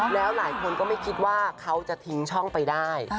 แล้วหลายคนก็ไม่คิดว่าเขาจะทิ้งช่องไปได้